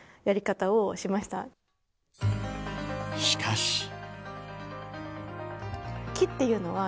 しかし。